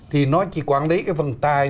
thì nó chỉ quản lý cái phần tài